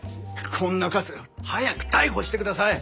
こんなカス早く逮捕して下さい。